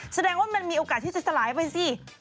แสดงว่ามันมีโอกาสที่จะสลายไปสิ